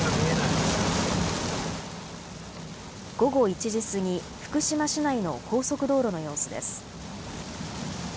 午後１時過ぎ、福島市内の高速道路の様子です。